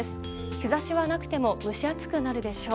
日差しはなくても蒸し暑くなるでしょう。